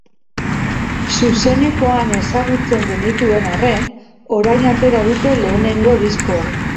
Zuzenekoan ezagutzen genituen arren, orain atera dute lehenengoko diskoa.